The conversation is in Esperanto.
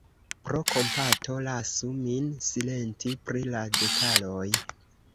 Pro kompato lasu min silenti pri la detaloj!